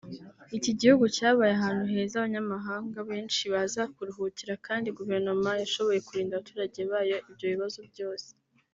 Iki gihugu cyabaye ahantu heza abanyamahanga benshi baza kuruhukira kandi Guverinoma yashoboye kurinda abaturage bayo ibyo bibazo byose